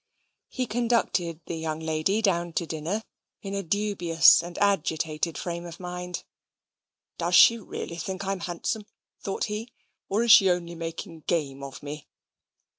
He conducted the young lady down to dinner in a dubious and agitated frame of mind. "Does she really think I am handsome?" thought he, "or is she only making game of me?"